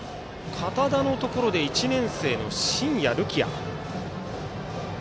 堅田のところで１年生の新家瑠希愛。